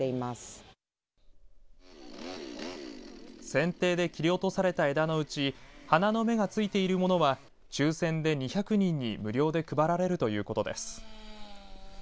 せんていで切り落とされた枝のうち花の芽がついているものは抽選で２００人に無料で配られるということです。